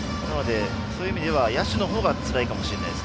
そういう意味では野手のほうがつらいかもしれません。